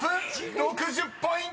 ６０ポイントです！］